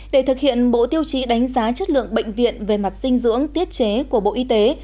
để thực hiện bộ tiêu chí đánh giá chất lượng bệnh viện về mặt dinh dưỡng tiết chế của bộ y tế